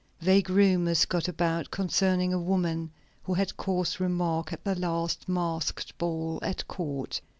Vague rumors got about concerning a woman who had caused remark at the last masked ball at court.